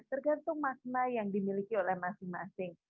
tergantung makna yang dimiliki oleh masing masing